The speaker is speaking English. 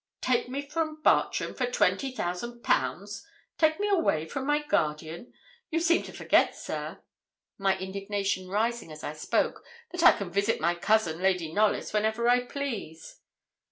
'Take me from Bartram for twenty thousand pounds! Take me away from my guardian! You seem to forget, sir,' my indignation rising as I spoke, 'that I can visit my cousin, Lady Knollys, whenever I please.'